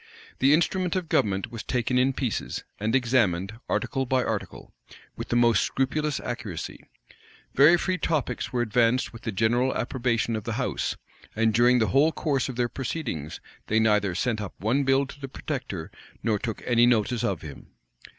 The instrument of government was taken in pieces, and examined, article by article, with the most scrupulous accuracy: very free topics were advanced with the general approbation of the house: and during the whole course of their proceedings, they neither sent up one bill to the protector, nor took any notice of him.